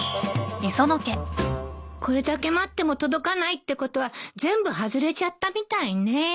これだけ待っても届かないってことは全部外れちゃったみたいね。